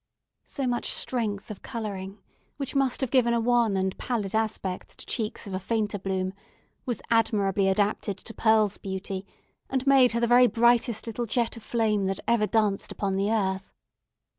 So much strength of colouring, which must have given a wan and pallid aspect to cheeks of a fainter bloom, was admirably adapted to Pearl's beauty, and made her the very brightest little jet of flame that ever danced upon the earth.